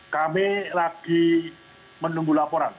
kami lagi menunggu laporan